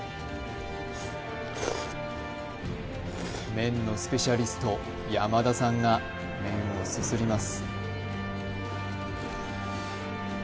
麺のスペシャリスト山田さんが麺をすすります